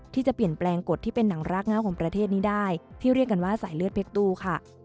ที่จะเปลี่ยนแปลงกฎที่เป็นหนังรากง่าของประเทศนี้ได้ที่เรียกกันว่าสายเลือดเพชรตู้ค่ะ